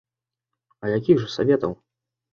А якіх жа саветаў?